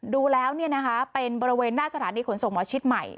ดูแล้วเป็นบริเวณหน้าสถานีขนส่งหมอชิดใหม่